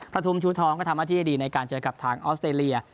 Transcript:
ทุมชูทองก็ทำหน้าที่ให้ดีในการเจอกับทางออสเตรเลีย